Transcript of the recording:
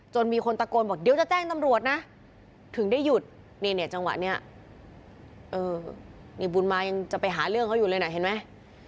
มีคนตะโกนบอกเดี๋ยวจะแจ้งตำรวจนะถึงได้หยุดนี่เนี่ยจังหวะนี้นี่บุญมายังจะไปหาเรื่องเขาอยู่เลยนะเห็นไหม